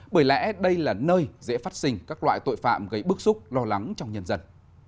bởi lẽ đây là nơi dễ phát sinh các loại tội phạm gây bức xúc lo lắng trong nhân dân